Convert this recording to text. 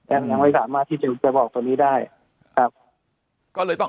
อย่างไว้สามารถที่จะบอกตรงนี้ได้ครับ